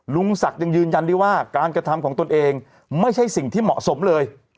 ลุงศักดิ์ยังยืนยันได้ว่าการกระทำของตนเองไม่ใช่สิ่งที่เหมาะสมเลย